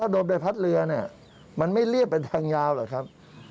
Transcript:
โดนใบพัดเรือเนี่ยมันไม่เรียบไปทางยาวหรอกครับ